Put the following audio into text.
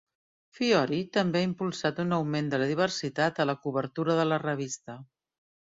Fiori també ha impulsat un augment de la diversitat a la cobertura de la revista.